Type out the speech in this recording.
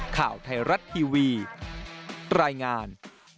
ข่าวไทยรัฐทีวีรายงาน